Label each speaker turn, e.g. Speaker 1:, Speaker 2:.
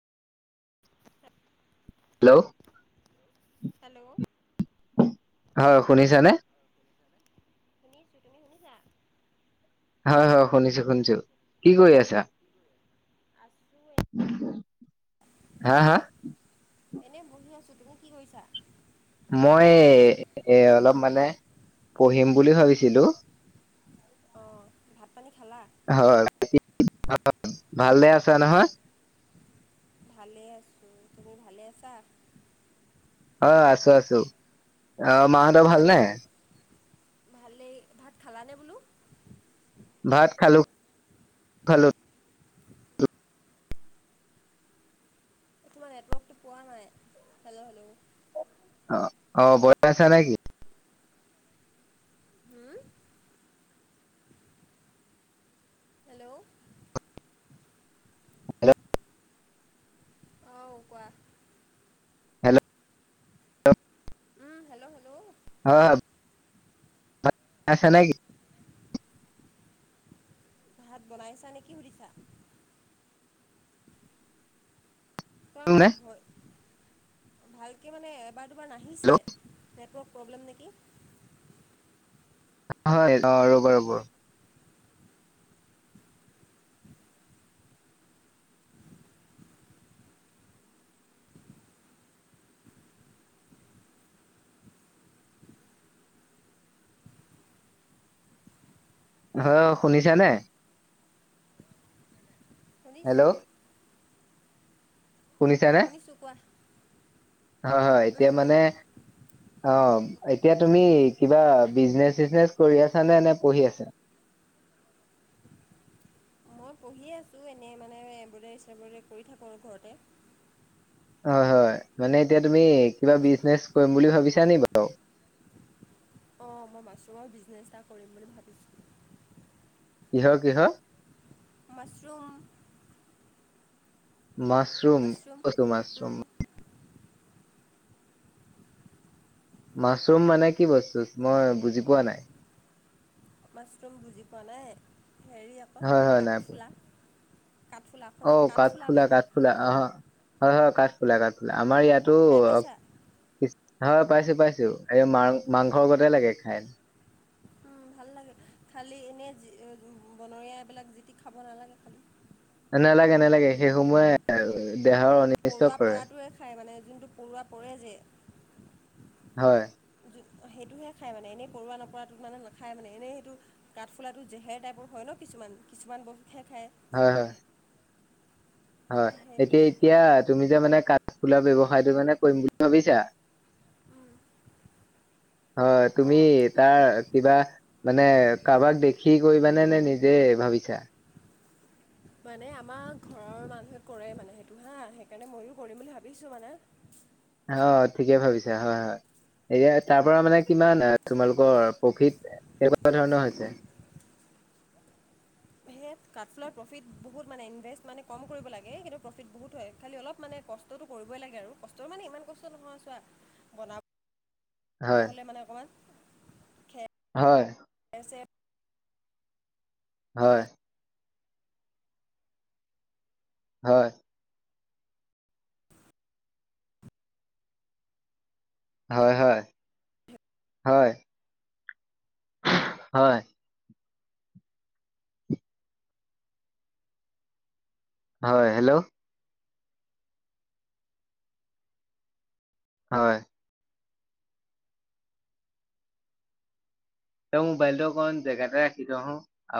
Speaker 1: সাত
Speaker 2: hello
Speaker 1: hello
Speaker 2: হয় শুনিছে নে?
Speaker 1: শুনিছোঁ, তুমি শুনিছা?
Speaker 2: হয়, হয় শুনিছোঁ, শুনিছোঁ কি কৰি আছা?
Speaker 1: আছোঁ এ
Speaker 2: হা-হা
Speaker 1: এনেই বহি আছোঁ তুমি কি কৰিছা?
Speaker 2: মই এ অলপ মানে পঢ়িম বুলি ভাবিছিলোঁ।
Speaker 1: অ' ভাত পানী খালা?
Speaker 2: হয়, ভালে আছা নহয়?
Speaker 1: ভালে আছোঁ, তুমি ভালে আছা?
Speaker 2: অ', আছোঁ, আছোঁ অ', মাহঁতৰ ভাল
Speaker 1: ভাত
Speaker 2: নে?
Speaker 1: ভালেই, ভাত খালানে বোলো।
Speaker 2: ভাত খালো, খালো।
Speaker 1: তোমাৰ নেটৱৰ্কতটো পোৱা নাই হেল্ল' হেল্ল'।
Speaker 2: অ' অ' [unintelligible] আছা নে কি?
Speaker 1: হুম। হেল্ল'।
Speaker 2: হেল্ল'।
Speaker 1: অ' কোৱা।
Speaker 2: Hello hello.
Speaker 1: উম, হেল্ল' হেল্ল'।
Speaker 2: [unintelligible] [unintelligible]
Speaker 1: ভাত বনাইছা নে কি সুধিছা? তোমাৰ
Speaker 2: হেল্ল
Speaker 1: ভ‌ই-ভালকে মানে এবাৰ দুবাৰ নাহিছে। নেটৱৰ্ক প্ৰব্লেম নেকি?
Speaker 2: হয়, অ', ৰ'ব ৰ'ব। হয় শুনিছা নে?
Speaker 1: শুনিছোঁ।
Speaker 2: হেল্ল' শুনিছা নে?
Speaker 1: শুনিছোঁ কোৱা।
Speaker 2: হয়, হয়
Speaker 1: উম
Speaker 2: এতিয়া
Speaker 1: উম
Speaker 2: মানে অ' এতিয়া তুমি কিবা বিজনেচ চিজনেচ কৰি আছানে নে পঢ়ি আছা?
Speaker 1: মই পঢ়ি আছোঁ, এনে মানে এম্ব্ৰইডেৰী চেমব্ৰইডেী কৰি থাকোঁ আৰু ঘৰতে।
Speaker 2: হয় হয় মানে এতিয়া তুমি কিবা বিজনেচ কৰিম বুলি ভাবিছা নি বাৰু?
Speaker 1: অ' মই মাছৰুমৰ বিজনেচ এটা কৰিম বুলি ভাবিছোঁ।
Speaker 2: কিহৰ কিহৰ।
Speaker 1: মাছৰুম।
Speaker 2: মাছৰুম, কটো মাছৰুম। মাছৰুম মানে কি বস্তু মই বুজি পোৱা নাই?
Speaker 1: মাছৰুম বুজি পোৱা নাই হেৰি আকৌ
Speaker 2: হয় হয় নাই পোৱা
Speaker 1: কাঠফুলা। কাঠফুলা, অসমীয়াত কাঠফুলা বুলি কয়।
Speaker 2: ফুলা অ' হয় হয় কাঠফুলা কাঠফুলা আমাৰ ইয়াতো
Speaker 1: খাই পাইছা
Speaker 2: হয় পাইছোঁ, পাইছোঁ এই মা-মাংসৰ [unintelligible] লাগে খাই।
Speaker 1: ভাল লাগে, খালী এনেই বনৰীয়াবিলাক যি টি খাব নালাগে খালী।
Speaker 2: নালাগে নেলাগে সেই সময়ে দেহৰ। অনিষ্ট
Speaker 1: পৰুৱা
Speaker 2: কৰে
Speaker 1: পৰাটোৱে খায় মানে যোনটো পৰুৱা পৰে যে
Speaker 2: হয়।
Speaker 1: সেইটোহে খায় মানে এনেই পৰোৱা নপৰাটো মানে নাখায় মানে এনেই সেইটো কাঠফুলাটো জেহেৰ টাইপৰ হয় ন কিছুমান কিছুমান বস্তু খে খায়।
Speaker 2: হয়, হয়। হয় এতিয়া
Speaker 1: সেইটোৱে
Speaker 2: এতিয়া তুমি যে মানে কাঠ ফুলাৰ ব্যৱসায়টো মানে কৰিম বুলি ভাবিছা
Speaker 1: উম।
Speaker 2: অ' তুমি। তাৰ কিবা মানে কাৰোবাক দেখি কৰিবানে নে নিজে ভাবিছা
Speaker 1: মানে আমাৰ ঘৰৰ মানুহে কৰে মানে সেইটো হা সেইকাৰণে ময়ো কৰিম বুলি ভাবিছো মানে।
Speaker 2: অ' ঠিকেই ভাবিছা হয়, হয়। এয়া তাৰ পৰা মানে কিমান তোমালোকৰ প্ৰফিত কেনেকুৱা ধৰণৰ হৈছে
Speaker 1: সেয়ে কাঠফুলাৰ প্ৰফিট বহুত মানে ইনভেষ্ট মানে কম কৰিব লাগে কিন্তু প্ৰফিট বহুত হয় খালি অলপ মানে কষ্ট কষ্টটো কৰিবই লাগে আৰু কষ্ট মানে ইমান কষ্ট নহয় চোৱা বনাব
Speaker 2: হয়
Speaker 1: হ'লে মানে অকণমান খেৰ
Speaker 2: হয়।
Speaker 1: [unintelligible] খেৰ
Speaker 2: হয়। হয়। হয়, হয়, হয়। হয়। হয় হেল্ল'। হয়। তই মোবাইলটো অকন জেগাতে ৰাখি থ চোন।